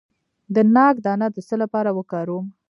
د ناک دانه د څه لپاره وکاروم؟